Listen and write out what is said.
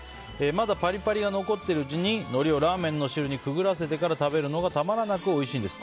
まだパリパリが残っているうちにのりをラーメンの汁にくぐらせてから食べるのがたまらなくおいしいんです。